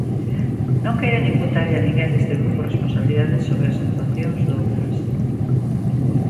Non queiran imputarlle a ninguén deste grupo responsabilidades sobre as actuacións doutras.